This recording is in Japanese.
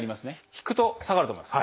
引くと下がると思います。